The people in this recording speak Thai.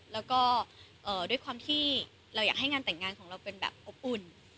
แล้วก็ด้วยความที่เราอยากให้งานแต่งงานของเราเป็นแบบอบอุ่น